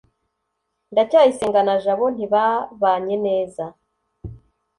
ndacyayisenga na jabo ntibabanye neza